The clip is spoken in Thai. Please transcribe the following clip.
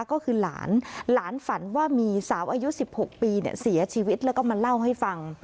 ก็คือหลานหลานฝันว่ามีสาวอายุ๑๖ปีเสียชีวิตแล้วก็มาเล่าให้ฟัง